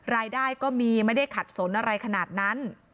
รายได้ก็มีไม่ได้ขัดสนอะไรขนาดนั้น